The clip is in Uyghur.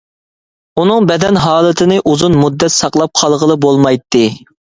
ئۇنىڭ بەدەن ھالىتىنى ئۇزۇن مۇددەت ساقلاپ قالغىلى بولمايتتى.